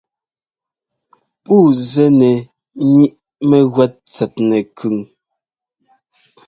Puu zɛ́ nɛ ŋíʼ mɛ́gúɛ́t tsɛt nɛkʉn.